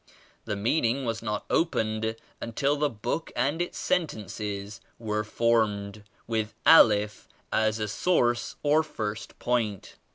This meaning was not opened until the book and its sentences were formed with Alif as a source or first point.